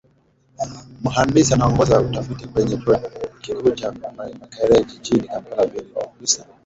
Mhandisi anaongoza utafiti kwenye chuo kikuu cha Makerere, jijini Kampala Bain Omugisa, amesema hatua hiyo imechochea uchafuzi wa hewa ulimwenguni umeongeza vifo